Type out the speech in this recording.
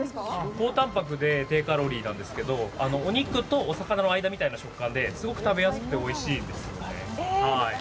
高タンパクで低カロリーなんですけどお肉とお魚の間みたいな食感ですごく食べやすくておいしいですね。